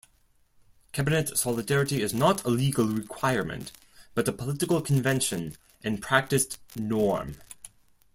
Cabinet solidarity is not a legal requirement, but a political convention and practiced norm.